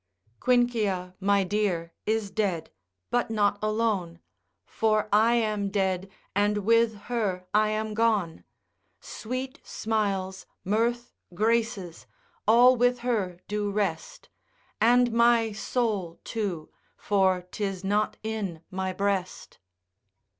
Quincia my dear is dead, but not alone, For I am dead, and with her I am gone: Sweet smiles, mirth, graces, all with her do rest, And my soul too, for 'tis not in my breast.